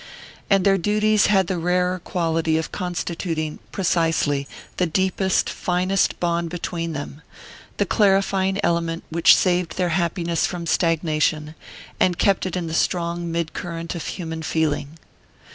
And their duties had the rarer quality of constituting, precisely, the deepest, finest bond between them, the clarifying element which saved their happiness from stagnation, and kept it in the strong mid current of human feeling.